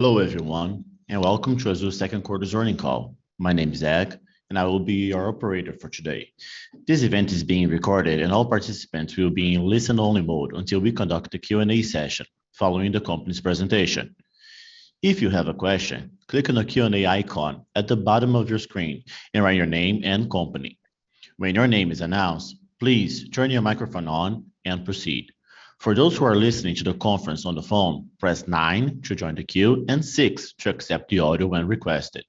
Hello, everyone, welcome to Azul's second quarter earnings call. My name is Zach, and I will be your operator for today. This event is being recorded, and all participants will be in listen-only mode until we conduct the Q&A session following the company's presentation. If you have a question, click on the Q&A icon at the bottom of your screen and write your name and company. When your name is announced, please turn your microphone on and proceed. For those who are listening to the conference on the phone, press nine to join the queue and six to accept the audio when requested.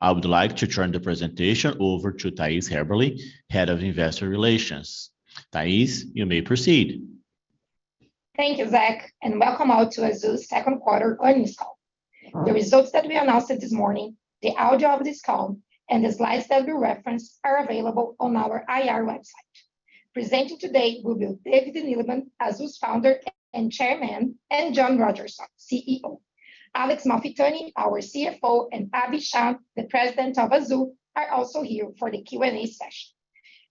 I would like to turn the presentation over to Thais Haberli, Head of Investor Relations. Thais, you may proceed. Thank you, Zach, and welcome all to Azul's second quarter earnings call. The results that we announced this morning, the audio of this call, and the slides that we reference are available on our IR website. Presenting today will be David Neeleman, Azul's Founder and Chairman, and John Rodgerson, CEO. Alex Malfitani, our CFO, and Abhi Shah, the President of Azul, are also here for the Q&A session.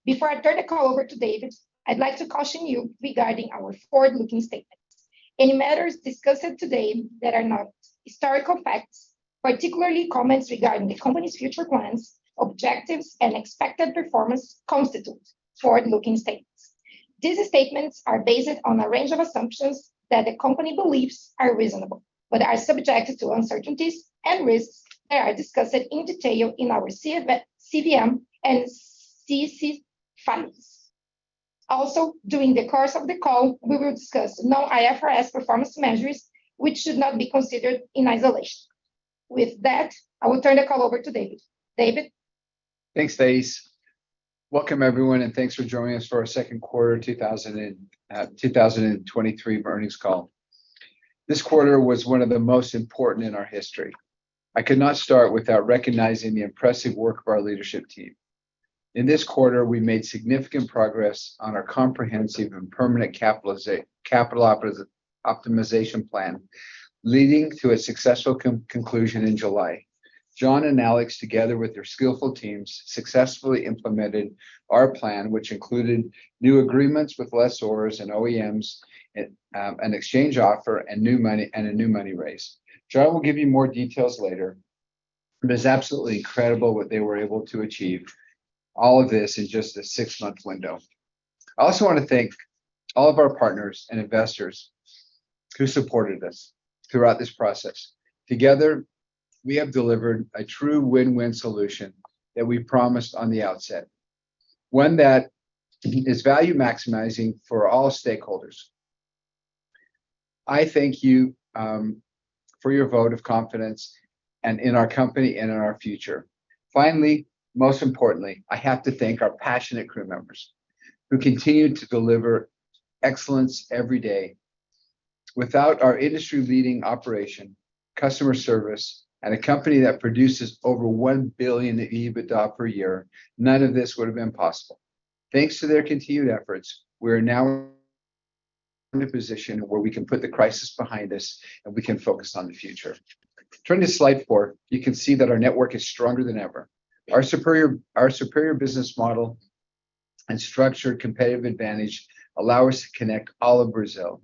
Before I turn the call over to David, I'd like to caution you regarding our forward-looking statements. Any matters discussed today that are not historical facts, particularly comments regarding the company's future plans, objectives, and expected performance, constitute forward-looking statements. These statements are based on a range of assumptions that the company believes are reasonable, but are subjected to uncertainties and risks that are discussed in detail in our CVM and SEC filings. During the course of the call, we will discuss non-IFRS performance measures, which should not be considered in isolation. With that, I will turn the call over to David. David? Thanks, Thais. Welcome, everyone, and thanks for joining us for our second quarter 2023 earnings call. This quarter was one of the most important in our history. I could not start without recognizing the impressive work of our leadership team. In this quarter, we made significant progress on our comprehensive and permanent capital optimization plan, leading to a successful conclusion in July. John and Alex, together with their skillful teams, successfully implemented our plan, which included new agreements with lessors and OEMs, and an exchange offer, and new money and a new money raise. John will give you more details later. It is absolutely incredible what they were able to achieve, all of this in just a 6-month window. I also want to thank all of our partners and investors who supported us throughout this process. Together, we have delivered a true win-win solution that we promised on the outset, one that is value-maximizing for all stakeholders. I thank you for your vote of confidence, and in our company and in our future. Finally, most importantly, I have to thank our passionate crew members, who continue to deliver excellence every day. Without our industry-leading operation, customer service, and a company that produces over 1 billion EBITDA per year, none of this would have been possible. Thanks to their continued efforts, we're now in a position where we can put the crisis behind us, and we can focus on the future. Turning to slide four, you can see that our network is stronger than ever. Our superior, our superior business model and structured competitive advantage allow us to connect all of Brazil.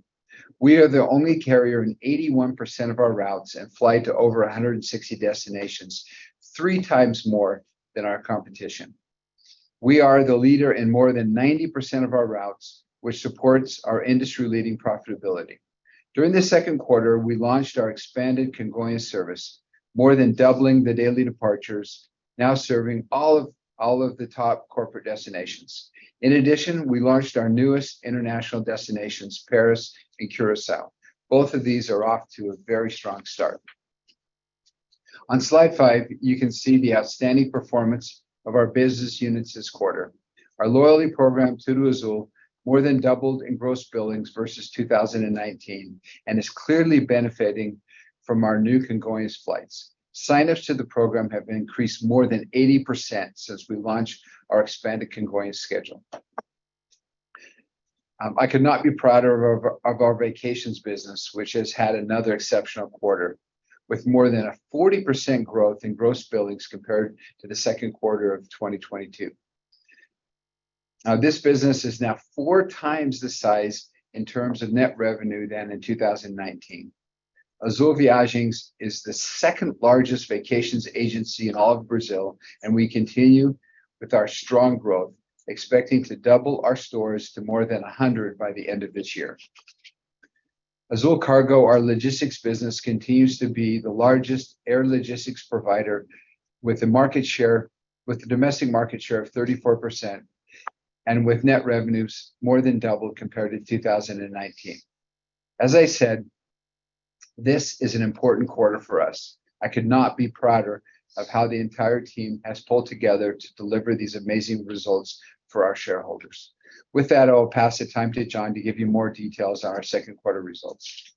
We are the only carrier in 81% of our routes and fly to over 160 destinations, 3 times more than our competition. We are the leader in more than 90% of our routes, which supports our industry-leading profitability. During the second quarter, we launched our expanded Congonhas service, more than doubling the daily departures, now serving all of the top corporate destinations. In addition, we launched our newest international destinations, Paris and Curaçao. Both of these are off to a very strong start. On slide five, you can see the outstanding performance of our business units this quarter. Our loyalty program, Tudo Azul, more than doubled in gross billings versus 2019 and is clearly benefiting from our new Congonhas flights. Sign-ups to the program have increased more than 80% since we launched our expanded Congonhas schedule. I could not be prouder of, of our vacations business, which has had another exceptional quarter, with more than a 40% growth in gross billings compared to the second quarter of 2022. This business is now four times the size in terms of net revenue than in 2019. Azul Viagens is the second-largest vacations agency in all of Brazil, we continue with our strong growth, expecting to double our stores to more than 100 by the end of this year. Azul Cargo, our logistics business, continues to be the largest air logistics provider, with a domestic market share of 34%, with net revenues more than double compared to 2019. As I said, this is an important quarter for us. I could not be prouder of how the entire team has pulled together to deliver these amazing results for our shareholders. With that, I will pass the time to John to give you more details on our second quarter results.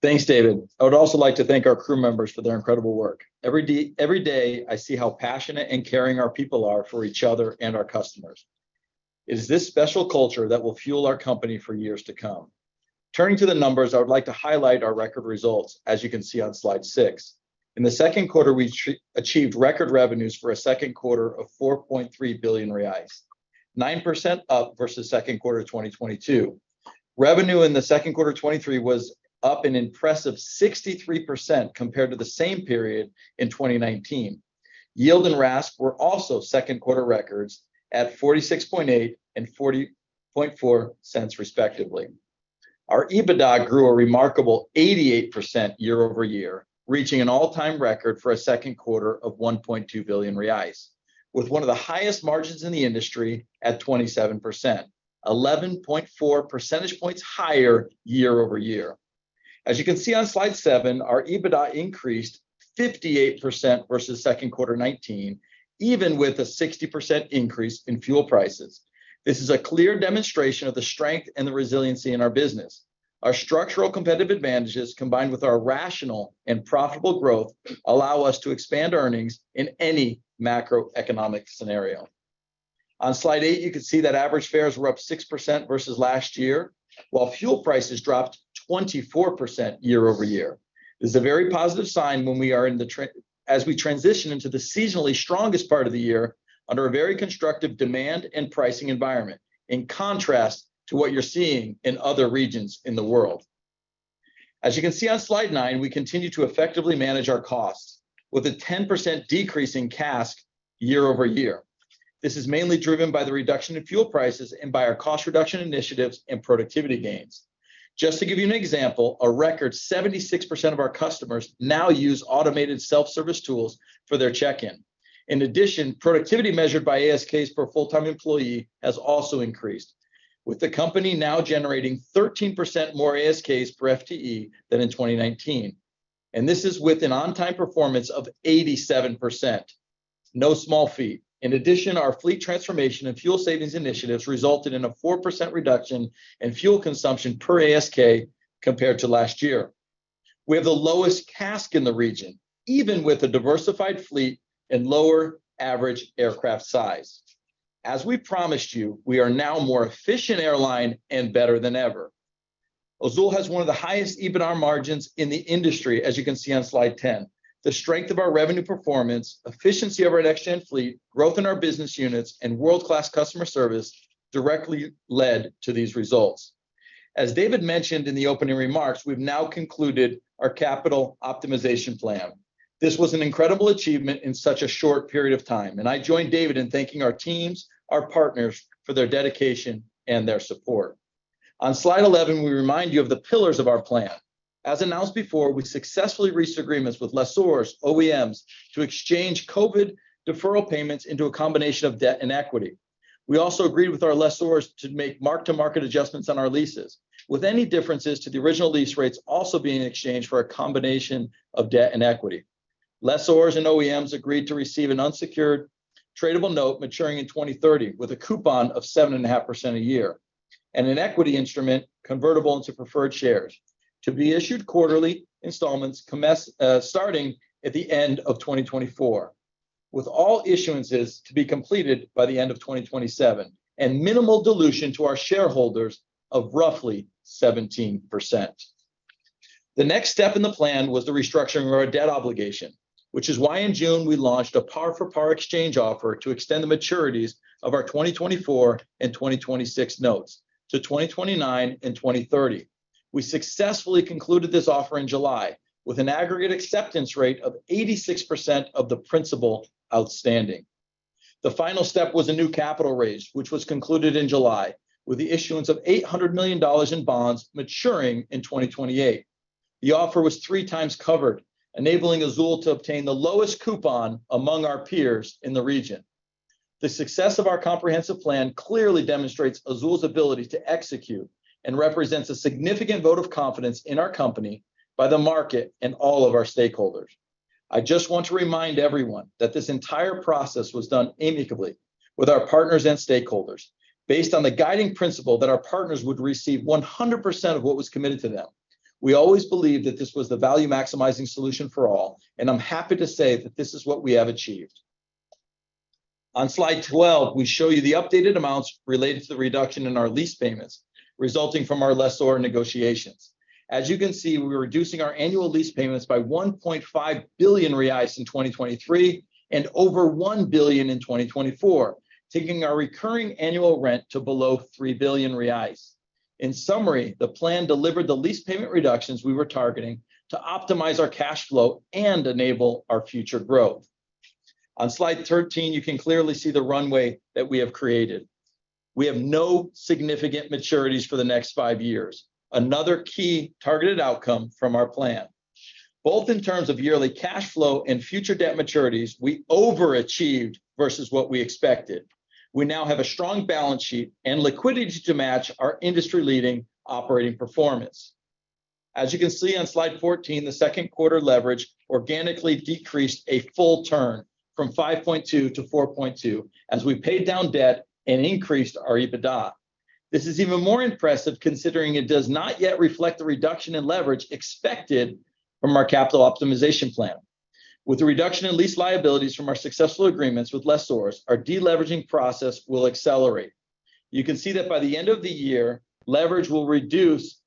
Thanks, David. I would also like to thank our crew members for their incredible work. Every day, every day, I see how passionate and caring our people are for each other and our customers. It is this special culture that will fuel our company for years to come. Turning to the numbers, I would like to highlight our record results, as you can see on slide six. In the second quarter, we achieved record revenues for a second quarter of 4.3 billion reais, 9% up versus second quarter of 2022. Revenue in the second quarter of 2023 was up an impressive 63% compared to the same period in 2019. Yield and RASK were also second quarter records at 0.468 and 0.404, respectively. Our EBITDA grew a remarkable 88% year-over-year, reaching an all-time record for a second quarter of 1.2 billion reais, with one of the highest margins in the industry at 27%, 11.4 percentage points higher year-over-year. As you can see on slide seven, our EBITDA increased 58% versus second quarter 2019, even with a 60% increase in fuel prices. This is a clear demonstration of the strength and the resiliency in our business. Our structural competitive advantages, combined with our rational and profitable growth, allow us to expand earnings in any macroeconomic scenario. On slide eight, you can see that average fares were up 6% versus last year, while fuel prices dropped 24% year-over-year. This is a very positive sign when we are as we transition into the seasonally strongest part of the year under a very constructive demand and pricing environment, in contrast to what you're seeing in other regions in the world. As you can see on slide nine, we continue to effectively manage our costs, with a 10% decrease in CASK year-over-year. This is mainly driven by the reduction in fuel prices and by our cost reduction initiatives and productivity gains. Just to give you an example, a record 76% of our customers now use automated self-service tools for their check-in. In addition, productivity measured by ASKs per full-time employee has also increased, with the company now generating 13% more ASKs per FTE than in 2019, this is with an on-time performance of 87%. No small feat. In addition, our fleet transformation and fuel savings initiatives resulted in a 4% reduction in fuel consumption per ASK compared to last year. We have the lowest CASK in the region, even with a diversified fleet and lower average aircraft size. As we promised you, we are now a more efficient airline and better than ever. Azul has one of the highest EBITDA margins in the industry, as you can see on slide 10. The strength of our revenue performance, efficiency of our next-gen fleet, growth in our business units, and world-class customer service directly led to these results. As David mentioned in the opening remarks, we've now concluded our capital optimization plan. This was an incredible achievement in such a short period of time. I join David in thanking our teams, our partners, for their dedication and their support. On slide 11, we remind you of the pillars of our plan. As announced before, we successfully reached agreements with lessors, OEMs, to exchange COVID deferral payments into a combination of debt and equity. We also agreed with our lessors to make mark-to-market adjustments on our leases, with any differences to the original lease rates also being exchanged for a combination of debt and equity. Lessors and OEMs agreed to receive an unsecured tradable note maturing in 2030, with a coupon of 7.5% a year, and an equity instrument convertible into preferred shares, to be issued quarterly installments commess- starting at the end of 2024, with all issuances to be completed by the end of 2027, and minimal dilution to our shareholders of roughly 17%. The next step in the plan was the restructuring of our debt obligation, which is why in June, we launched a par-for-par exchange offer to extend the maturities of our 2024 and 2026 notes to 2029 and 2030. We successfully concluded this offer in July, with an aggregate acceptance rate of 86% of the principal outstanding. The final step was a new capital raise, which was concluded in July, with the issuance of $800 million in bonds maturing in 2028. The offer was 3x covered, enabling Azul to obtain the lowest coupon among our peers in the region. The success of our comprehensive plan clearly demonstrates Azul's ability to execute and represents a significant vote of confidence in our company by the market and all of our stakeholders. I just want to remind everyone that this entire process was done amicably with our partners and stakeholders, based on the guiding principle that our partners would receive 100% of what was committed to them. We always believed that this was the value-maximizing solution for all, and I'm happy to say that this is what we have achieved. On slide 12, we show you the updated amounts related to the reduction in our lease payments, resulting from our lessor negotiations. As you can see, we are reducing our annual lease payments by 1.5 billion reais in 2023 and over 1 billion in 2024, taking our recurring annual rent to below 3 billion reais. In summary, the plan delivered the lease payment reductions we were targeting to optimize our cash flow and enable our future growth. On slide 13, you can clearly see the runway that we have created. We have no significant maturities for the next five years, another key targeted outcome from our plan. Both in terms of yearly cash flow and future debt maturities, we overachieved versus what we expected. We now have a strong balance sheet and liquidity to match our industry-leading operating performance. As you can see on slide 14, the second quarter leverage organically decreased a full turn from 5.2 to 4.2 as we paid down debt and increased our EBITDA. This is even more impressive, considering it does not yet reflect the reduction in leverage expected from our capital optimization plan. With the reduction in lease liabilities from our successful agreements with lessors, our de-leveraging process will accelerate. You can see that by the end of the year, leverage will reduce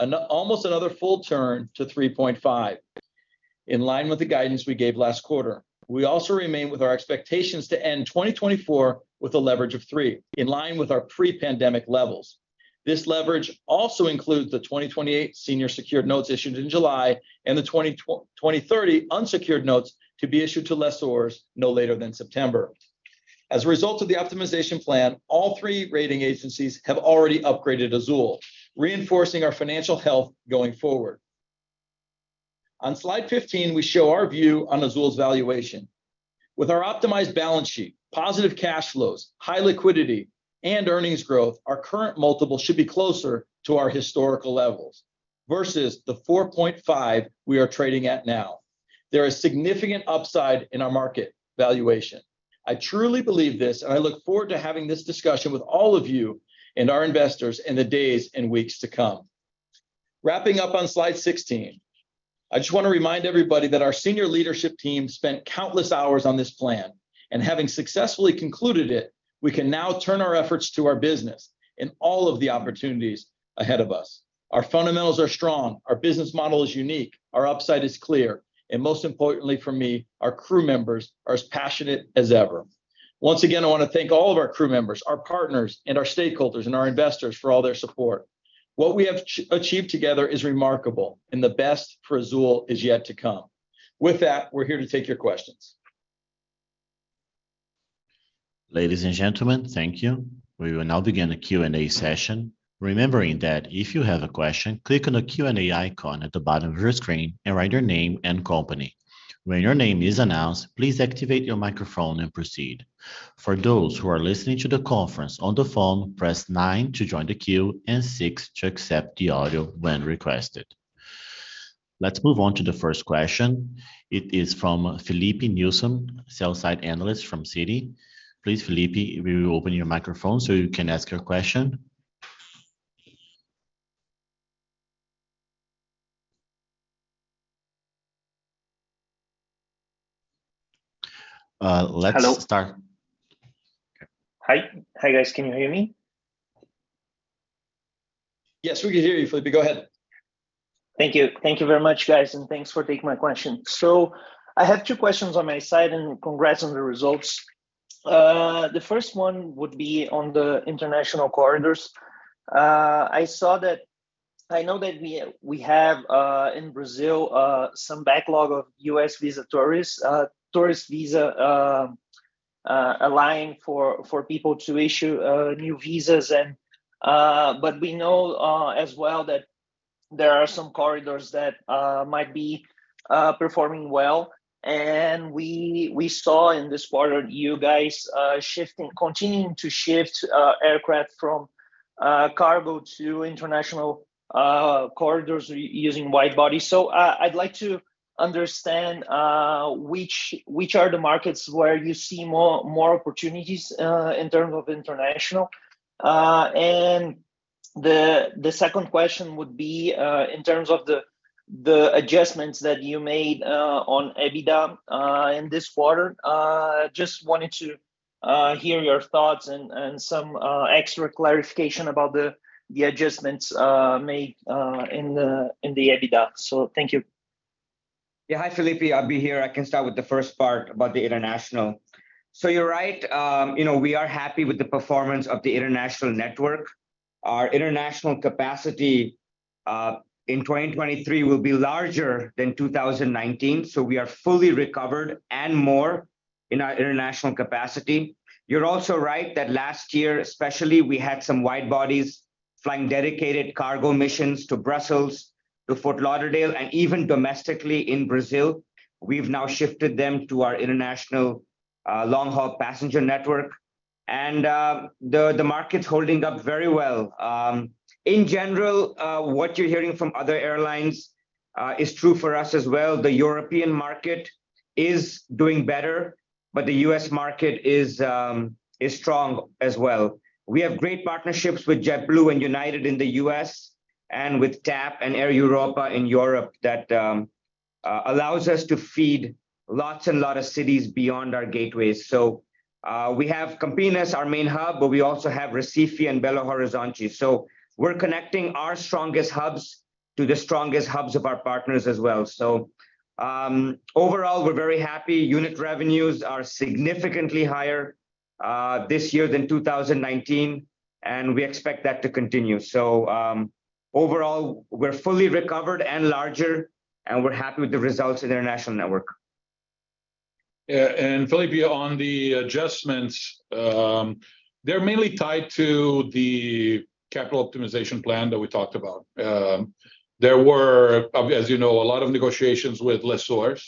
almost another full turn to 3.5 in line with the guidance we gave last quarter. We also remain with our expectations to end 2024 with a leverage of 3, in line with our pre-pandemic levels. This leverage also includes the 2028 senior secured notes issued in July, and the 2030 unsecured notes to be issued to lessors no later than September. As a result of the optimization plan, all three rating agencies have already upgraded Azul, reinforcing our financial health going forward. On slide 15, we show our view on Azul's valuation. With our optimized balance sheet, positive cash flows, high liquidity, and earnings growth, our current multiple should be closer to our historical levels versus the 4.5 we are trading at now. There is significant upside in our market valuation. I truly believe this. I look forward to having this discussion with all of you and our investors in the days and weeks to come. Wrapping up on slide 16, I just want to remind everybody that our senior leadership team spent countless hours on this plan, and having successfully concluded it, we can now turn our efforts to our business and all of the opportunities ahead of us. Our fundamentals are strong, our business model is unique, our upside is clear, and most importantly for me, our crew members are as passionate as ever. Once again, I want to thank all of our crew members, our partners, and our stakeholders, and our investors for all their support. What we have achieved together is remarkable, and the best for Azul is yet to come. With that, we're here to take your questions. Ladies and gentlemen, thank you. We will now begin the Q&A session. Remembering that if you have a question, click on the Q&A icon at the bottom of your screen and write your name and company. When your name is announced, please activate your microphone and proceed. For those who are listening to the conference on the phone, press nine to join the queue and six to accept the audio when requested. Let's move on to the first question. It is from Filipe Nielsen, sell-side analyst from Citi. Please, Felipe, we will open your microphone so you can ask your question. Let's start- Hello? Hi. Hi, guys, can you hear me? Yes, we can hear you, Filipe. Go ahead. Thank you. Thank you very much, guys, and thanks for taking my question. I have two questions on my side, and congrats on the results. The first one would be on the international corridors. I saw that I know that we, we have in Brazil some backlog of U.S. visa tourists, tourist visa, a line for people to issue new visas and, but we know as well that there are some corridors that might be performing well. We, we saw in this quarter, you guys, continuing to shift aircraft from cargo to international corridors using wide body. I'd like to understand which are the markets where you see more, more opportunities in terms of international? The, the second question would be, in terms of the, the adjustments that you made, on EBITDA, in this quarter. Just wanted to hear your thoughts and some extra clarification about the adjustments made in the EBITDA. Thank you. Yeah. Hi, Filipe. Abhi here. I can start with the first part about the international. You're right, you know, we are happy with the performance of the international network. Our international capacity in 2023 will be larger than 2019, so we are fully recovered and more in our international capacity. You're also right that last year, especially, we had some wide bodies flying dedicated cargo missions to Brussels, to Fort Lauderdale, and even domestically in Brazil. We've now shifted them to our international long-haul passenger network, and the market's holding up very well. In general, what you're hearing from other airlines is true for us as well. The European market is doing better, but the U.S. market is strong as well. We have great partnerships with JetBlue and United in the U.S., and with TAP and Air Europa in Europe, that allows us to feed lots and lot of cities beyond our gateways. We have Campinas, our main hub, but we also have Recife and Belo Horizonte. We're connecting our strongest hubs to the strongest hubs of our partners as well. Overall, we're very happy. Unit revenues are significantly higher this year than 2019, and we expect that to continue. Overall, we're fully recovered and larger, and we're happy with the results of the international network. Yeah, and Filipe, on the adjustments, they're mainly tied to the capital optimization plan that we talked about. There were, as you know, a lot of negotiations with lessors.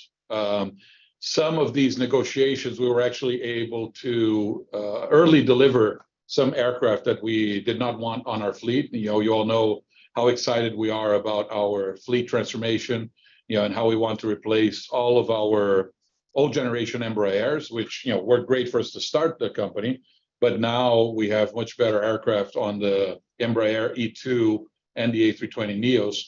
Some of these negotiations, we were actually able to early deliver some aircraft that we did not want on our fleet. You know, you all know how excited we are about our fleet transformation, you know, and how we want to replace all of our old generation Embraers, which, you know, worked great for us to start the company, but now we have much better aircraft on the Embraer E2 and the A320neo.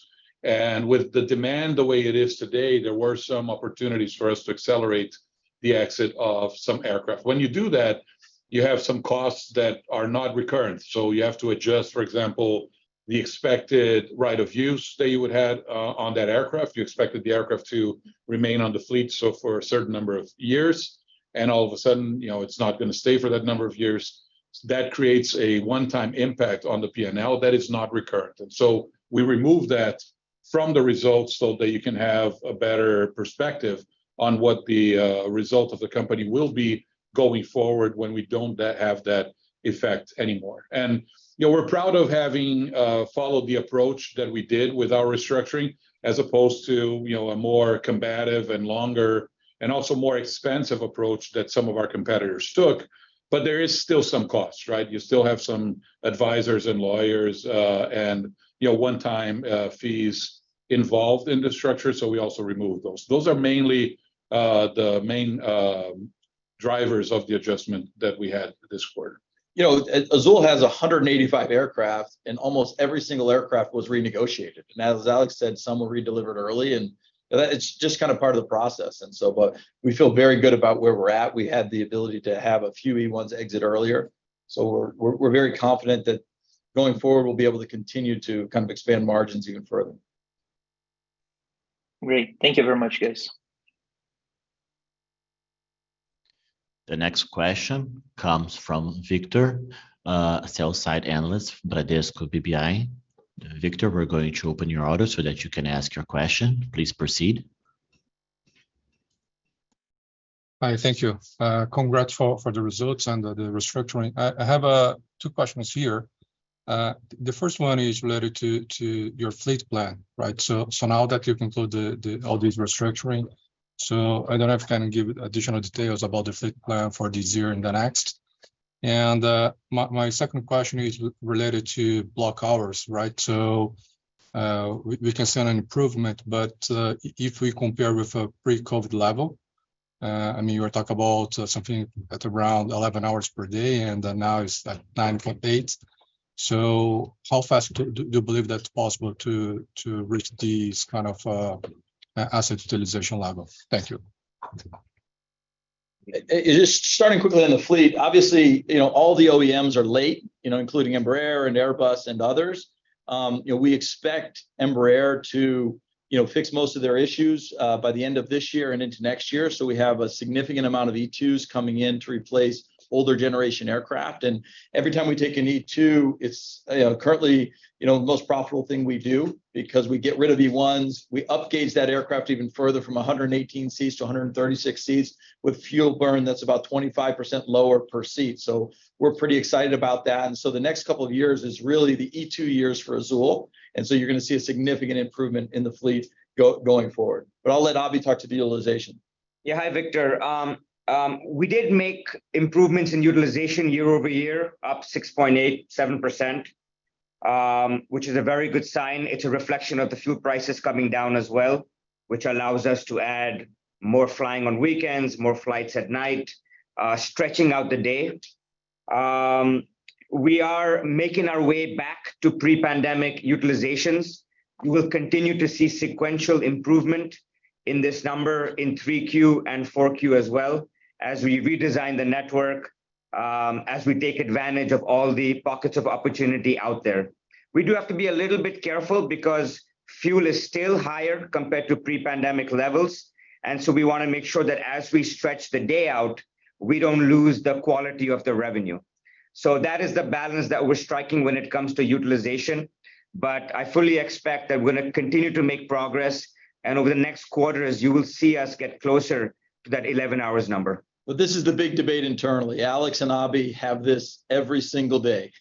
With the demand the way it is today, there were some opportunities for us to accelerate the exit of some aircraft. When you do that, you have some costs that are not recurrent, so you have to adjust, for example, the expected Right-of-Use that you would have on that aircraft. You expected the aircraft to remain on the fleet, so for a certain number of years and all of a sudden, you know, it's not gonna stay for that number of years, that creates a one-time impact on the P&L that is not recurrent. So we remove that from the results so that you can have a better perspective on what the result of the company will be going forward when we don't have that effect anymore. You know, we're proud of having followed the approach that we did with our restructuring, as opposed to, you know, a more combative and longer and also more expensive approach that some of our competitors took. There is still some costs, right? You still have some advisors and lawyers, and, you know, one-time fees involved in the structure, so we also remove those. Those are mainly the main drivers of the adjustment that we had this quarter. You know, Azul has 185 aircraft, almost every single aircraft was renegotiated. As Alex said, some were redelivered early, and it's just kind of part of the process. We feel very good about where we're at. We had the ability to have a few E1 exit earlier, we're very confident that going forward, we'll be able to continue to kind of expand margins even further. Great. Thank you very much, guys. The next question comes from Victor, sell-side analyst, Bradesco BBI. Victor, we're going to open your audio so that you can ask your question. Please proceed. Hi, thank you. Congrats for the results and the restructuring. I have two questions here. The first one is related to your fleet plan, right? Now that you've concluded all this restructuring, I don't know if you can give additional details about the fleet plan for this year and the next. My second question is related to block hours, right? We can see an improvement, but if we compare with a pre-COVID level, I mean, you were talking about something at around 11 hours per day, and now it's at 9.8. How fast do you believe that's possible to reach these kind of asset utilization level? Thank you. Just starting quickly on the fleet, obviously, you know, all the OEMs are late, you know, including Embraer and Airbus and others. You know, we expect Embraer to, you know, fix most of their issues by the end of this year and into next year. We have a significant amount of E2 coming in to replace older generation aircraft. Every time we take an E2, it's currently, you know, the most profitable thing we do, because we get rid of E1. We up gauge that aircraft even further from 118 seats to 136 seats with fuel burn that's about 25% lower per seat. We're pretty excited about that. The next 2 years is really the E2 years for Azul, and so you're going to see a significant improvement in the fleet going forward. I'll let Abhi talk to the utilization. Yeah, hi, Victor. We did make improvements in utilization year-over-year, up 6.87%, which is a very good sign. It's a reflection of the fuel prices coming down as well, which allows us to add more flying on weekends, more flights at night, stretching out the day. We are making our way back to pre-pandemic utilizations. We will continue to see sequential improvement in this number in 3Q and 4Q as well, as we redesign the network, as we take advantage of all the pockets of opportunity out there. We do have to be a little bit careful because fuel is still higher compared to pre-pandemic levels, and so we want to make sure that as we stretch the day out, we don't lose the quality of the revenue. That is the balance that we're striking when it comes to utilization, but I fully expect that we're going to continue to make progress, and over the next quarters, you will see us get closer to that 11 hours number. This is the big debate internally. Alex and Abhi have this every single day.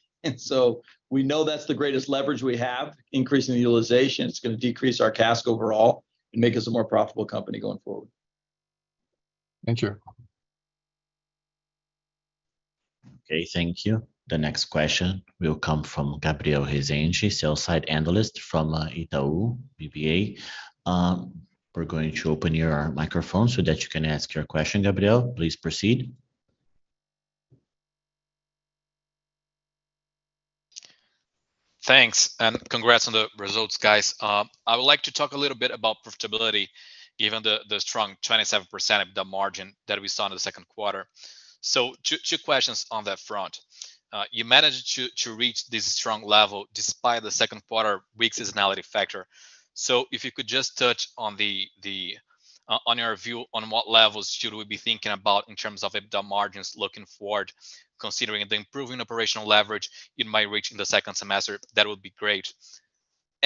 We know that's the greatest leverage we have. Increasing the utilization, it's going to decrease our CASK overall and make us a more profitable company going forward. Thank you. Okay, thank you. The next question will come from Gabriel Rezende, sell-side analyst from Itaú BBA. We're going to open your microphone so that you can ask your question, Gabriel. Please proceed. Thanks, and congrats on the results, guys. I would like to talk a little bit about profitability, given the, the strong 27% of the margin that we saw in the second quarter. Two, two questions on that front. You managed to, to reach this strong level despite the second quarter seasonality factor. If you could just touch on the, the, on your view, on what levels should we be thinking about in terms of EBITDA margins looking forward, considering the improving operational leverage you might reach in the second semester, that would be great.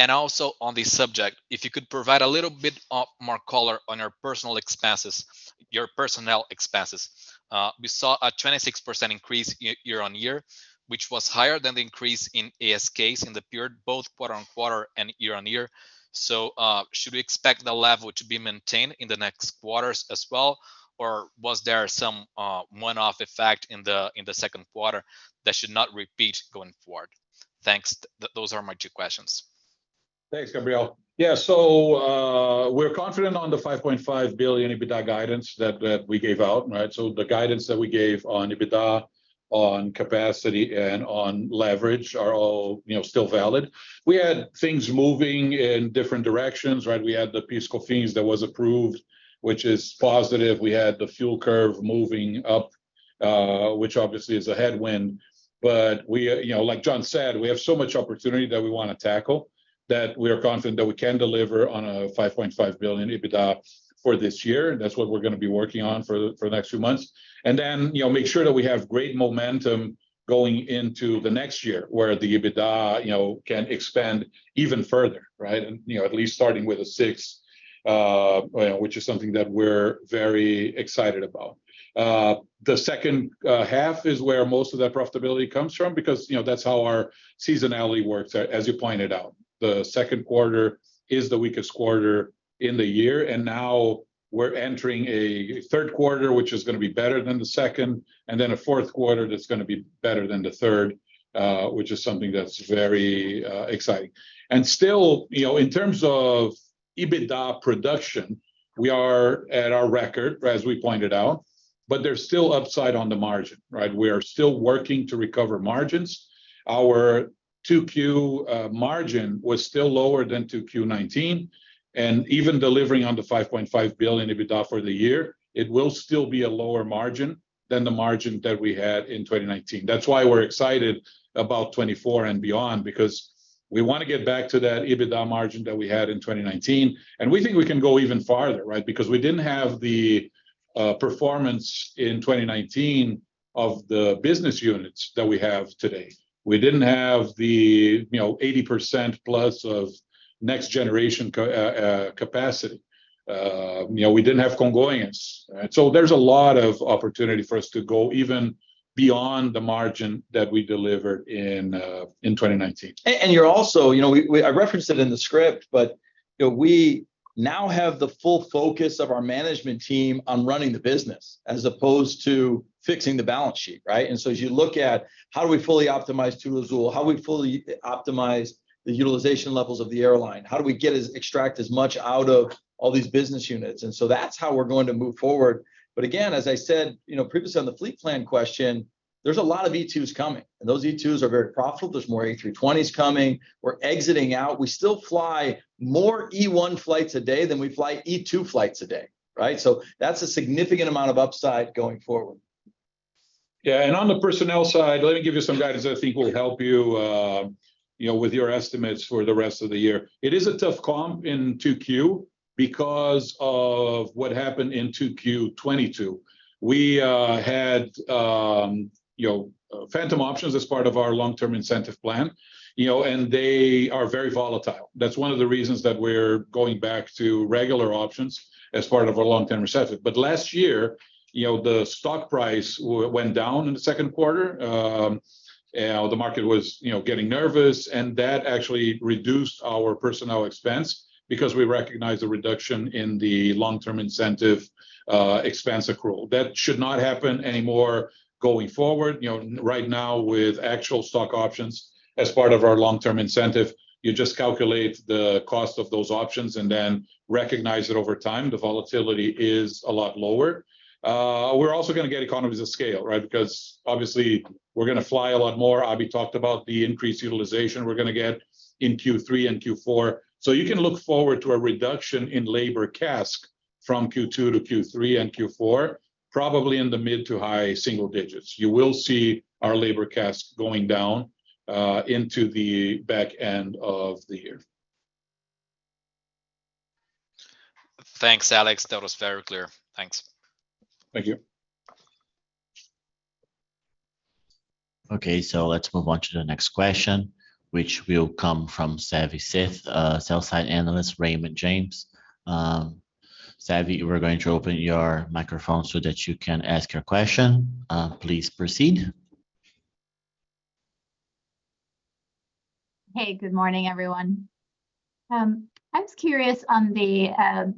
Also on this subject, if you could provide a little bit of more color on your personal expenses- your personnel expenses. We saw a 26% increase year-on-year, which was higher than the increase in ASKs in the period, both quarter-on-quarter and year-on-year. Should we expect the level to be maintained in the next quarters as well, or was there some one-off effect in the second quarter that should not repeat going forward? Thanks. Those are my two questions. Thanks, Gabriel. Yeah, so, we're confident on the $5.5 billion EBITDA guidance that, that we gave out, right? The guidance that we gave on EBITDA on capacity and on leverage are all, you know, still valid. We had things moving in different directions, right? We had the PIS/COFINS that was approved, which is positive. We had the fuel curve moving up, which obviously is a headwind. We, you know, like John said, we have so much opportunity that we wanna tackle, that we are confident that we can deliver on a 5.5 billion EBITDA for this year. That's what we're gonna be working on for, for the next few months. Then, you know, make sure that we have great momentum going into the next year, where the EBITDA, you know, can expand even further, right? You know, at least starting with a 6 billion, which is something that we're very excited about. The 2nd half is where most of that profitability comes from, because, you know, that's how our seasonality works, as you pointed out. The 2nd quarter is the weakest quarter in the year, and now we're entering a 3rd quarter, which is gonna be better than the 2nd, and then a 4th quarter that's gonna be better than the 3rd, which is something that's very exciting. And still, you know, in terms of EBITDA production, we are at our record, as we pointed out, but there's still upside on the margin, right? We are still working to recover margins. Our 2Q margin was still lower than 2Q 2019, and even delivering on the 5.5 billion EBITDA for the year, it will still be a lower margin than the margin that we had in 2019. That's why we're excited about 2024 and beyond, because we wanna get back to that EBITDA margin that we had in 2019, and we think we can go even farther, right? Because we didn't have the performance in 2019 of the business units that we have today. We didn't have the, you know, 80% plus of next generation capacity. You know, we didn't have Congonhas. So there's a lot of opportunity for us to go even beyond the margin that we delivered in 2019. You're also, you know... I referenced it in the script, you know, we now have the full focus of our management team on running the business, as opposed to fixing the balance sheet, right? As you look at how do we fully optimize Azul, how do we fully optimize the utilization levels of the airline? How do we extract as much out of all these business units? That's how we're going to move forward. Again, as I said, you know, previously on the fleet plan question, there's a lot of E2 coming, and those E2 are very profitable. There's more A320s coming. We're exiting out. We still fly more E1 flights a day than we fly E2 flights a day, right? That's a significant amount of upside going forward. Yeah, and on the personnel side, let me give you some guidance I think will help you, you know, with your estimates for the rest of the year. It is a tough comp in 2Q because of what happened in 2Q 2022. We had, you know, phantom options as part of our long-term incentive plan, you know, and they are very volatile. That's one of the reasons that we're going back to regular options as part of our long-term incentive. Last year, you know, the stock price went down in the second quarter. The market was, you know, getting nervous, and that actually reduced our personnel expense because we recognized a reduction in the long-term incentive expense accrual. That should not happen anymore going forward. You know, right now, with actual stock options as part of our long-term incentive, you just calculate the cost of those options and then recognize that over time, the volatility is a lot lower. We're also gonna get economies of scale, right? Because obviously we're gonna fly a lot more. Abhi talked about the increased utilization we're gonna get in Q3 and Q4. You can look forward to a reduction in labor CASK from Q2 to Q3 and Q4, probably in the mid to high single digits. You will see our labor CASK going down into the back end of the year. Thanks, Alex. That was very clear. Thanks. Thank you. Okay, let's move on to the next question, which will come from Savanthi Syth, sell-side analyst, Raymond James. Savi, we're going to open your microphone so that you can ask your question. Please proceed. Hey, good morning, everyone. I was curious on the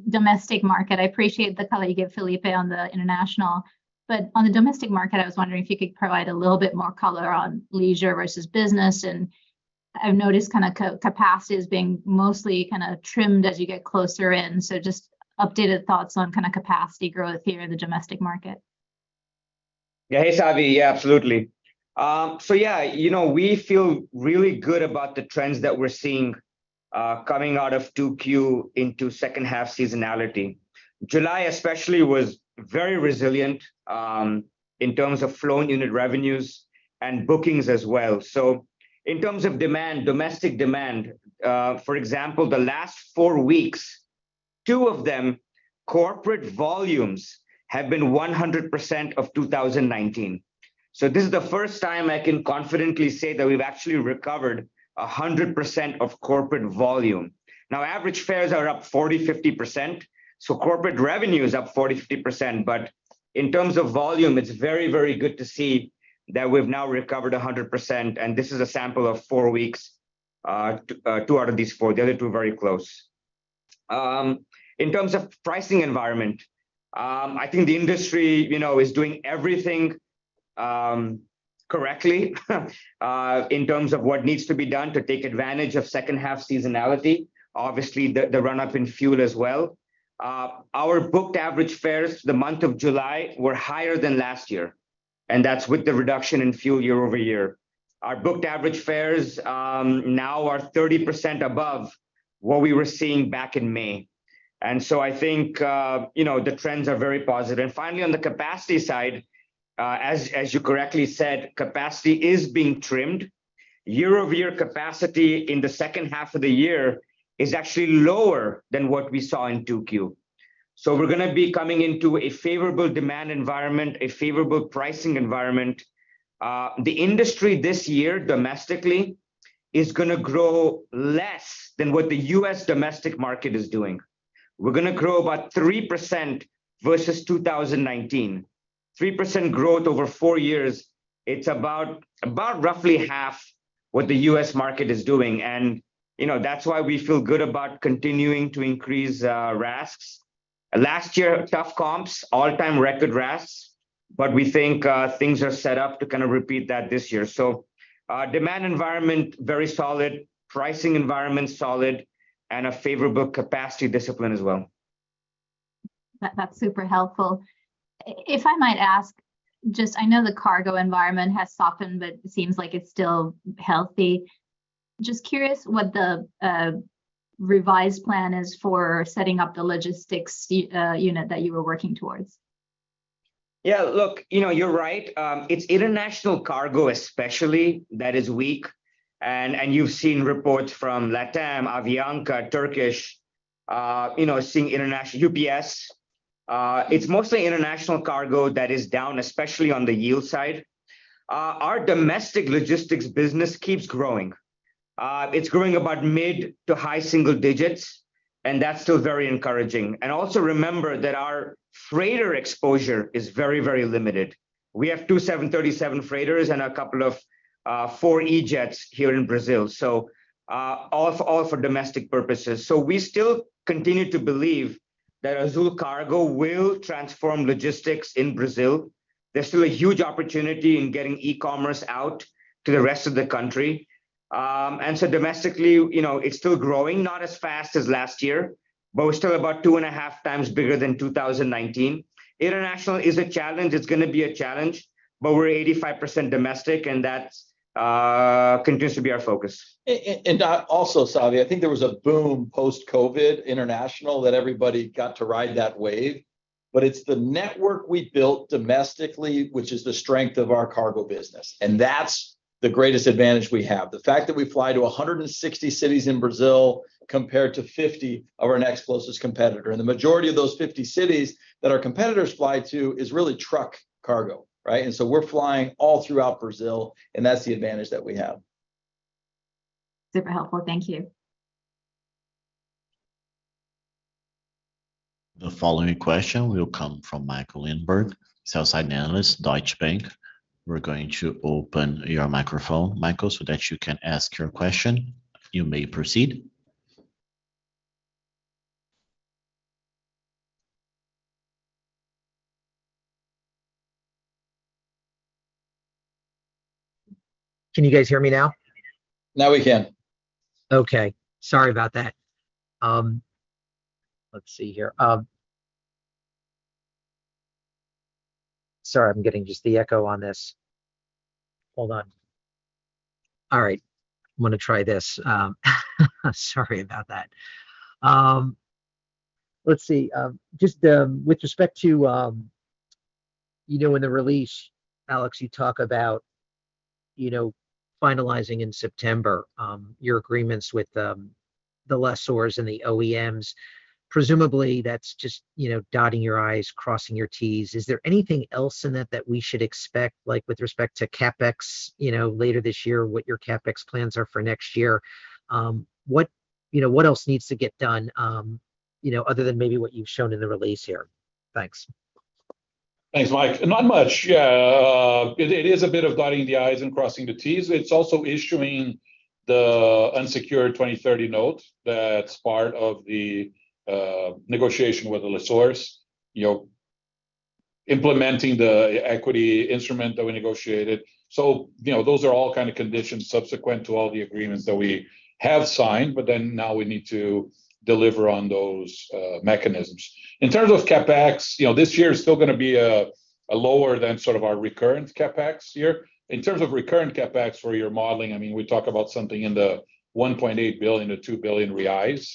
domestic market. I appreciate the color you gave, Felipe, on the international. On the domestic market, I was wondering if you could provide a little bit more color on leisure versus business. I've noticed kind of capacity is being mostly kind of trimmed as you get closer in, so just updated thoughts on kind of capacity growth here in the domestic market. Yeah. Hey, Savi. Yeah, absolutely. You know, we feel really good about the trends that we're seeing coming out of 2Q into second half seasonality. July especially was very resilient in terms of flowing unit revenues and bookings as well. In terms of demand, domestic demand, for example, the last 4 weeks, 2 of them, corporate volumes have been 100% of 2019. This is the first time I can confidently say that we've actually recovered 100% of corporate volume. Average fares are up 40%-50%, so corporate revenue is up 40%-50%. In terms of volume, it's very, very good to see that we've now recovered 100%, and this is a sample of 4 weeks, 2 out of these 4, the other 2, very close. In terms of pricing environment, I think the industry, you know, is doing everything correctly, in terms of what needs to be done to take advantage of second half seasonality. Obviously, the run-up in fuel as well. Our booked average fares the month of July were higher than last year, and that's with the reduction in fuel year-over-year. Our booked average fares, now are 30% above what we were seeing back in May. I think, you know, the trends are very positive. Finally, on the capacity side, as you correctly said, capacity is being trimmed. Year-over-year capacity in the second half of the year is actually lower than what we saw in 2Q. We're gonna be coming into a favorable demand environment, a favorable pricing environment. The industry this year, domestically, is gonna grow less than what the U.S. domestic market is doing. We're gonna grow about 3% versus 2019. 3% growth over 4 years, it's about, about roughly half what the U.S. market is doing, you know, that's why we feel good about continuing to increase RASKs. Last year, tough comps, all-time record RASKs, we think things are set up to kind of repeat that this year. Demand environment, very solid, pricing environment solid, a favorable capacity discipline as well. That- that's super helpful. If I might ask, just I know the cargo environment has softened, but it seems like it's still healthy. Just curious what the revised plan is for setting up the logistics unit that you were working towards? Yeah, look, you know, you're right. It's international cargo especially that is weak, and you've seen reports from LATAM, Avianca, Turkish, you know, seeing international... UPS. It's mostly international cargo that is down, especially on the yield side. Our domestic logistics business keeps growing. It's growing about mid to high single digits, and that's still very encouraging. Also remember that our freighter exposure is very, very limited. We have two 737 freighters and a couple of four E-jets here in Brazil, so, all, all for domestic purposes. We still continue to believe that Azul Cargo will transform logistics in Brazil. There's still a huge opportunity in getting e-commerce out to the rest of the country. Domestically, you know, it's still growing, not as fast as last year, but we're still about 2.5 times bigger than 2019. International is a challenge, it's gonna be a challenge, but we're 85% domestic, and that's continues to be our focus. Also, Savi, I think there was a boom post-COVID international that everybody got to ride that wave, but it's the network we built domestically, which is the strength of our cargo business, and that's the greatest advantage we have. The fact that we fly to 160 cities in Brazil, compared to 50 of our next closest competitor, and the majority of those 50 cities that our competitors fly to is really truck cargo, right? We're flying all throughout Brazil, and that's the advantage that we have. Super helpful. Thank you. The following question will come from Michael Linenberg, sell-side analyst, Deutsche Bank. We're going to open your microphone, Michael, so that you can ask your question. You may proceed. Can you guys hear me now? Now we can. Okay, sorry about that. Let's see here. Sorry, I'm getting just the echo on this. Hold on. All right, I'm gonna try this. Sorry about that. Let's see. Just, with respect to, you know, in the release, Alex, you talk about, you know, finalizing in September, your agreements with the lessors and the OEMs. Presumably, that's just, you know, dotting your I's, crossing your T's. Is there anything else in that that we should expect, like with respect to CapEx, you know, later this year, what your CapEx plans are for next year? What, you know, what else needs to get done, you know, other than maybe what you've shown in the release here? Thanks. Thanks, Mike. Not much. Yeah, it, it is a bit of dotting the I's and crossing the T's. It's also issuing the unsecured 2030 note that's part of the negotiation with the lessors. You know, implementing the equity instrument that we negotiated. You know, those are all kind of conditions subsequent to all the agreements that we have signed, but then now we need to deliver on those mechanisms. In terms of CapEx, you know, this year is still gonna be a, a lower than sort of our recurrent CapEx year. In terms of recurrent CapEx for your modeling, I mean, we talk about something in the 1.8 billion-2 billion reais.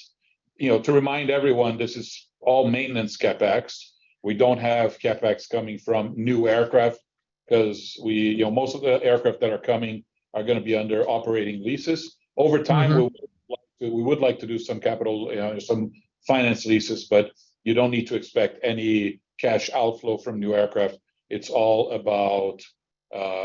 You know, to remind everyone, this is all maintenance CapEx. We don't have CapEx coming from new aircraft, 'cause we... you know, most of the aircraft that are coming are gonna be under operating leases. Mm-hmm. Over time, we would like to, we would like to do some capital, some finance leases, but you don't need to expect any cash outflow from new aircraft. It's all about,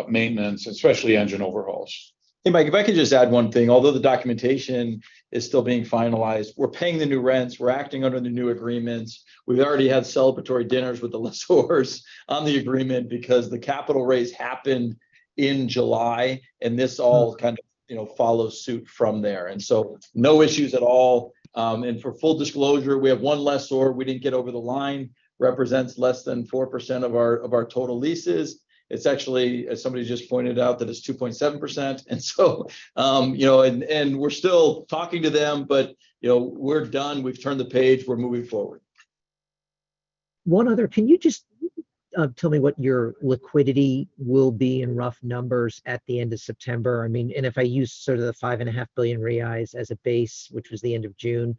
maintenance, especially engine overhauls. Hey, Mike, if I could just add one thing. Although the documentation is still being finalized, we're paying the new rents, we're acting under the new agreements. We've already had celebratory dinners with the lessors on the agreement, because the capital raise happened in July, and this all kind of, you know, follows suit from there. No issues at all. For full disclosure, we have one lessor we didn't get over the line, represents less than 4% of our, of our total leases. It's actually, as somebody just pointed out, that it's 2.7%. You know, and, and we're still talking to them, but, you know, we're done, we've turned the page, we're moving forward. One other, can you just tell me what your liquidity will be in rough numbers at the end of September? I mean, if I use sort of the 5.5 billion reais as a base, which was the end of June,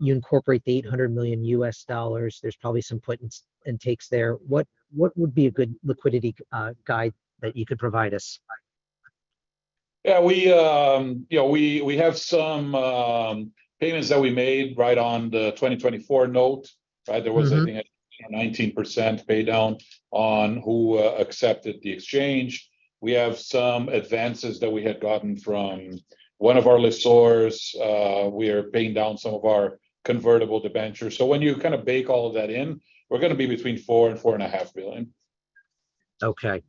you incorporate the $800 million, there's probably some put-ins and takes there. What would be a good liquidity guide that you could provide us? Yeah, we, you know, we, we have some payments that we made right on the 2024 note, right? Mm-hmm. There was, I think, a 19% pay down on who accepted the exchange. We have some advances that we had gotten from one of our lessors. We are paying down some of our convertible debentures. When you kind of bake all of that in, we're gonna be between R$4 billion-R$4.5 billion. Okay.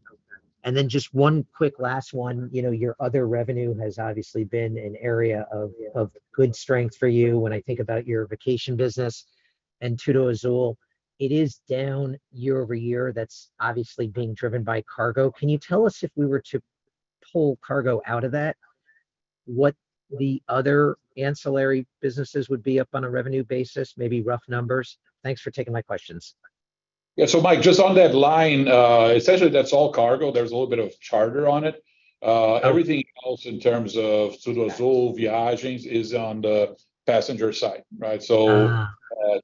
Then just one quick last one. You know, your other revenue has obviously been an area of good strength for you when I think about your vacation business and Tudo Azul, it is down year-over-year, that's obviously being driven by cargo. Can you tell us, if we were to pull cargo out of that, what the other ancillary businesses would be up on a revenue basis? Maybe rough numbers. Thanks for taking my questions. Yeah, Mike, just on that line, essentially that's all cargo. There's a little bit of charter on it. Okay. Everything else in terms of Tudo Azul Viagens is on the passenger side, right? Ah.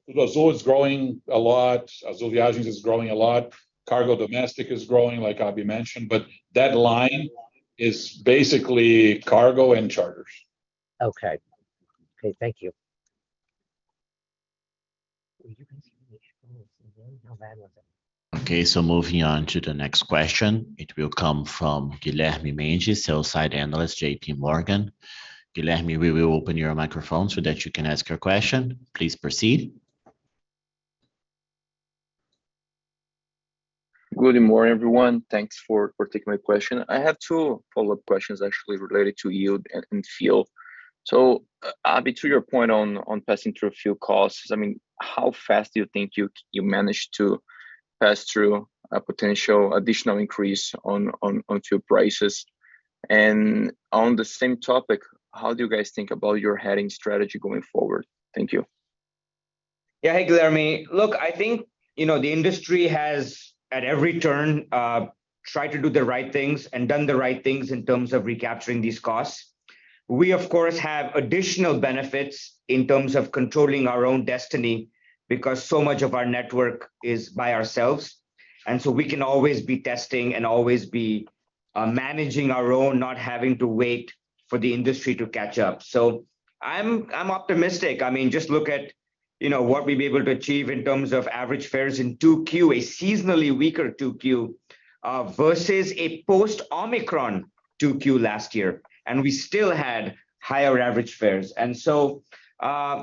Tudo Azul is growing a lot. Azul Viagens is growing a lot. Cargo domestic is growing, like Abhi mentioned, but that line is basically cargo and charters. Okay. Okay, thank you. Okay, moving on to the next question. It will come from Guilherme Mendes, sell-side analyst, JPMorgan. Guilherme, we will open your microphone so that you can ask your question. Please proceed. Good morning, everyone. Thanks for, for taking my question. I have two follow-up questions actually related to you and, and fuel. Abhi, to your point on, on passing through fuel costs, I mean, how fast do you think you, you managed to pass through a potential additional increase on, on, on fuel prices? On the same topic, how do you guys think about your hedging strategy going forward? Thank you. Yeah. Hey, Guilherme. Look, I think, you know, the industry has, at every turn, tried to do the right things and done the right things in terms of recapturing these costs. We, of course, have additional benefits in terms of controlling our own destiny, because so much of our network is by ourselves, and so we can always be testing and always be managing our own, not having to wait for the industry to catch up. So I'm, I'm optimistic. I mean, just look at, you know, what we've been able to achieve in terms of average fares in 2Q, a seasonally weaker 2Q, versus a post-Omicron 2Q last year, and we still had higher average fares. So,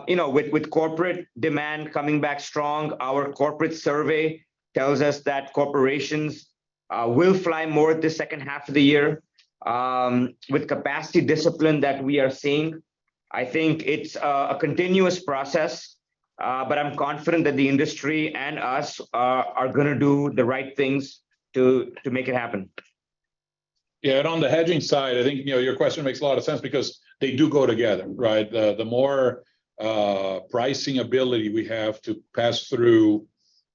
you know, with, with corporate demand coming back strong, our corporate survey tells us that corporations will fly more the second half of the year. With capacity discipline that we are seeing, I think it's a continuous process, but I'm confident that the industry and us are gonna do the right things to, to make it happen. Yeah, on the hedging side, I think, you know, your question makes a lot of sense because they do go together, right? The, the more pricing ability we have to pass through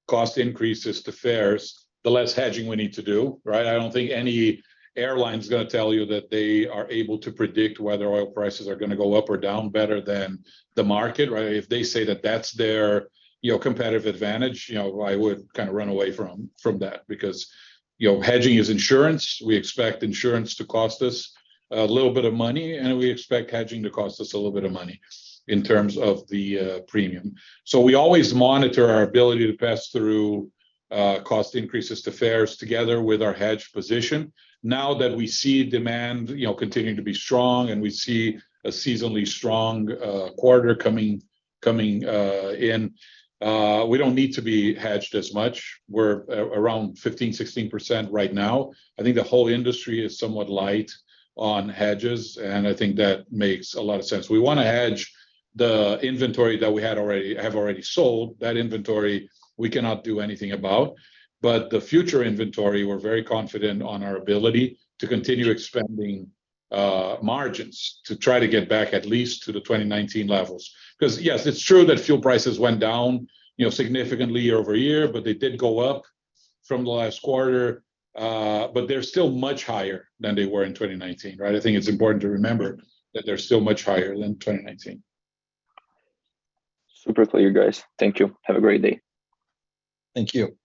cost increases to fares, the less hedging we need to do, right? I don't think any airline's gonna tell you that they are able to predict whether oil prices are gonna go up or down better than the market, right? If they say that that's their, you know, competitive advantage, you know, I would kind of run away from, from that because, you know, hedging is insurance. We expect insurance to cost us a little bit of money, and we expect hedging to cost us a little bit of money in terms of the premium. We always monitor our ability to pass through cost increases to fares together with our hedge position. Now that we see demand, you know, continuing to be strong, we see a seasonally strong quarter coming, coming in, we don't need to be hedged as much. We're around 15%-16% right now. I think the whole industry is somewhat light on hedges. I think that makes a lot of sense. We want to hedge the inventory that we have already sold. That inventory, we cannot do anything about, but the future inventory, we're very confident on our ability to continue expanding margins to try to get back at least to the 2019 levels. Yes, it's true that fuel prices went down, you know, significantly year-over-year, but they did go up from the last quarter. They're still much higher than they were in 2019, right? I think it's important to remember that they're still much higher than in 2019. Super clear, guys. Thank you. Have a great day. Thank you.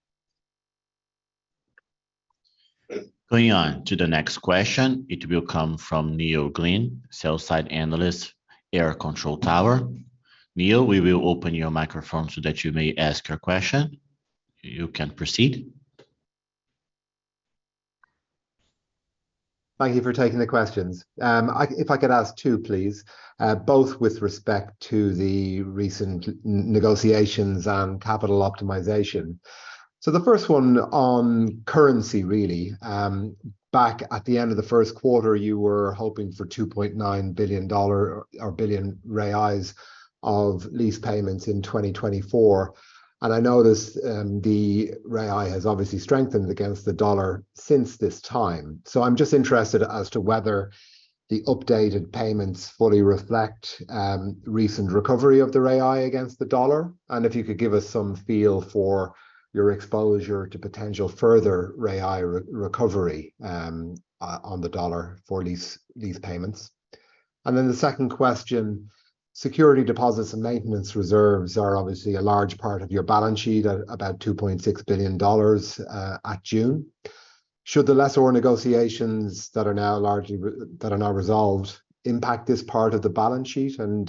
Going on to the next question. It will come from Neil Glynn, sell-side analyst, AIR Control Tower. Neil, we will open your microphone so that you may ask your question. You can proceed. Thank you for taking the questions. If I could ask two, please, both with respect to the recent negotiations on capital optimization. The first one on currency, really. Back at the end of the first quarter, you were hoping for BRL 2.9 billion of lease payments in 2024, and I notice the real has obviously strengthened against the dollar since this time. I'm just interested as to whether-... The updated payments fully reflect recent recovery of the real against the dollar? If you could give us some feel for your exposure to potential further real recovery on the dollar for lease payments. The second question, security deposits and maintenance reserves are obviously a large part of your balance sheet, at about $2.6 billion, at June. Should the lessor negotiations that are now largely that are now resolved impact this part of the balance sheet? Should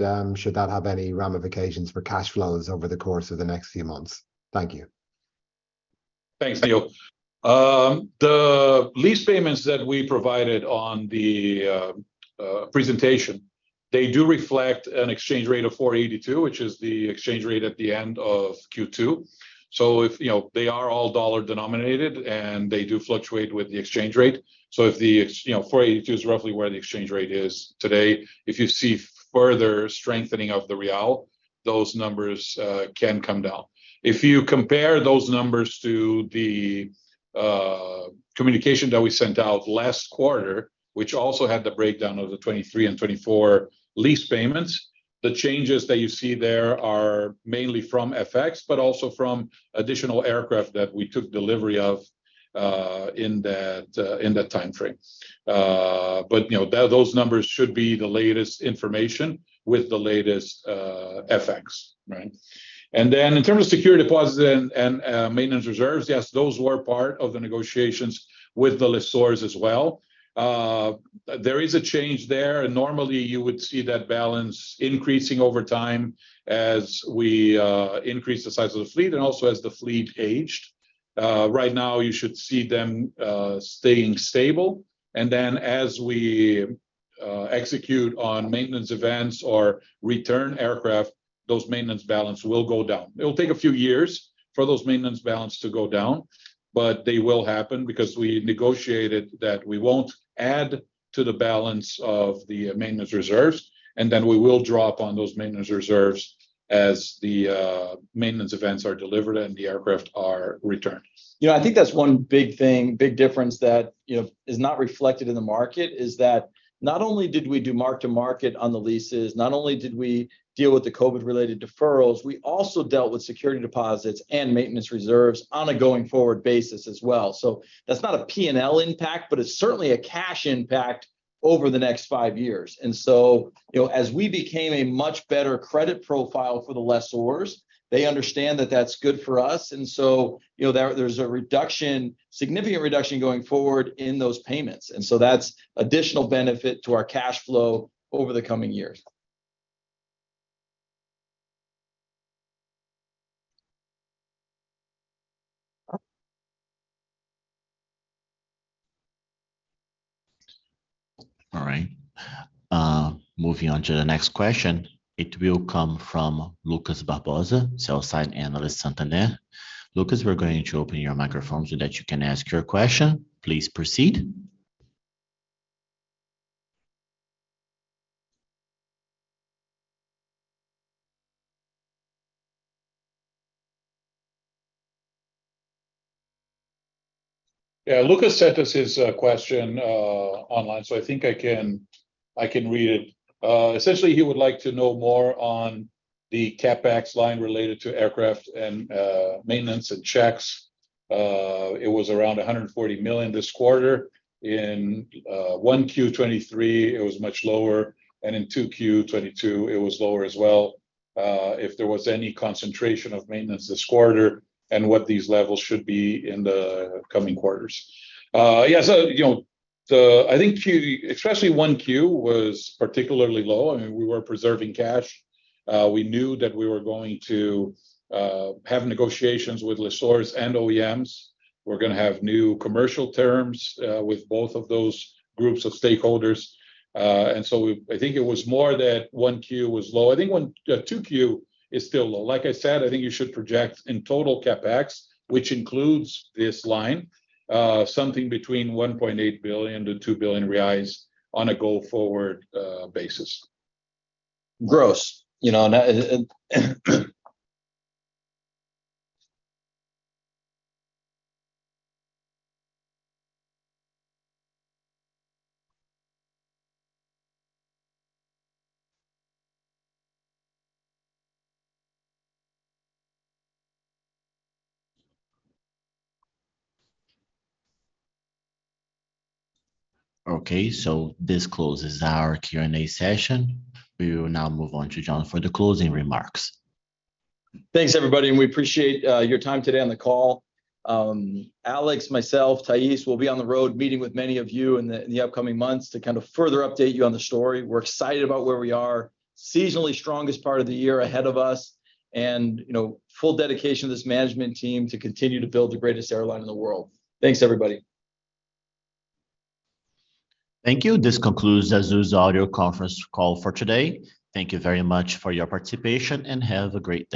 that have any ramifications for cash flows over the course of the next few months? Thank you. Thanks, Neil. The lease payments that we provided on the presentation, they do reflect an exchange rate of 4.82, which is the exchange rate at the end of Q2. If, you know, they are all dollar-denominated, and they do fluctuate with the exchange rate. If the, you know, 4.82 is roughly where the exchange rate is today, if you see further strengthening of the real, those numbers can come down. If you compare those numbers to the communication that we sent out last quarter, which also had the breakdown of the 2023 and 2024 lease payments, the changes that you see there are mainly from FX, but also from additional aircraft that we took delivery of in that, in that time frame. You know, those numbers should be the latest information with the latest FX. In terms of security deposits and maintenance reserves, yes, those were part of the negotiations with the lessors as well. There is a change there. Normally you would see that balance increasing over time as we increase the size of the fleet, and also as the fleet aged. Right now, you should see them staying stable. As we execute on maintenance events or return aircraft, those maintenance balance will go down. It will take a few years for those maintenance balance to go down, but they will happen because we negotiated that we won't add to the balance of the maintenance reserves, and then we will draw up on those maintenance reserves as the maintenance events are delivered and the aircraft are returned. You know, I think that's one big thing, big difference that, you know, is not reflected in the market, is that not only did we do mark-to-market on the leases, not only did we deal with the COVID-related deferrals, we also dealt with security deposits and maintenance reserves on a going-forward basis as well. So that's not a P&L impact, but it's certainly a cash impact over the next five years. So, you know, as we became a much better credit profile for the lessors, they understand that that's good for us, and so, you know, there, there's a reduction, significant reduction going forward in those payments. So that's additional benefit to our cash flow over the coming years. All right. Moving on to the next question. It will come from Lucas Barbosa, Sell-Side Analyst, Santander. Lucas, we're going to open your microphone so that you can ask your question. Please proceed. Lucas sent us his question online, so I think I can read it. Essentially, he would like to know more on the CapEx line related to aircraft and maintenance and checks. It was around $140 million this quarter. In 1Q23, it was much lower, and in 2Q22, it was lower as well. If there was any concentration of maintenance this quarter, and what these levels should be in the coming quarters. Yeah, so, you know, the... I think Q, especially 1Q, was particularly low, and we were preserving cash. We knew that we were going to have negotiations with lessors and OEMs. We're gonna have new commercial terms with both of those groups of stakeholders. So I think it was more that 1Q was low. I think 2Q is still low. Like I said, I think you should project in total CapEx, which includes this line, something between 1.8 billion-2 billion reais on a go-forward basis. Gross, you know. Okay, this closes our Q&A session. We will now move on to John for the closing remarks. Thanks, everybody. We appreciate your time today on the call. Alex, myself, Thais, will be on the road meeting with many of you in the upcoming months to kind of further update you on the story. We're excited about where we are. Seasonally strongest part of the year ahead of us, you know, full dedication of this management team to continue to build the greatest airline in the world. Thanks, everybody. Thank you. This concludes Azul's audio conference call for today. Thank you very much for your participation, and have a great day.